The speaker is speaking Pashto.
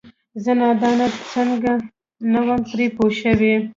زه نادانه څنګه نه وم پرې پوه شوې؟!